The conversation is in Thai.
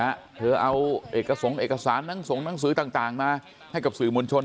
นะเธอเอาเอกสรรพ์เอกสารส่งหนังสือต่างมาให้กับสื่อมวลชน